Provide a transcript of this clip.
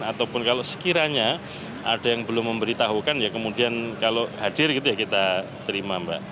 ataupun kalau sekiranya ada yang belum memberitahukan ya kemudian kalau hadir gitu ya kita terima mbak